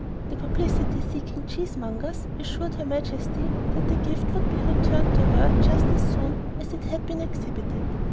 The publicity seeking cheesemongers assured Her Majesty that the gift would be returned to her just as soon as it had been exhibited.